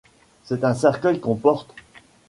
C’est un cercueil qu’on porte.